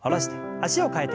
脚を替えて。